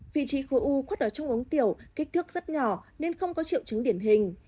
vị trí khối u khu khuất ở trong ống tiểu kích thước rất nhỏ nên không có triệu chứng điển hình